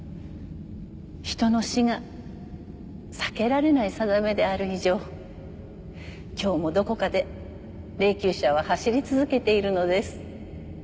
人の死が避けられないさだめである以上今日もどこかで霊柩車は走り続けているのです。